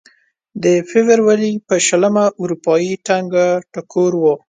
د فبروري په شلمه اروپايي ټنګ ټکور و.